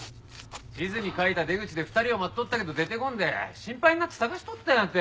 地図に描いた出口で２人を待っとったけど出てこんで心配になって捜しとったんやて。